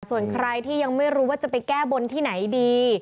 ส่วนใครที่ยังไม่รู้ว่าจะไปแก้บนที่ไหนดี